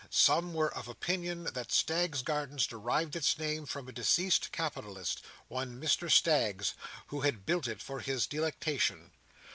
Some were of opinion that Staggs's Gardens derived its name from a deceased capitalist, one Mr Staggs, who had built it for his delectation.